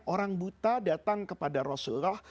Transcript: orang buta datang kepada rasulullah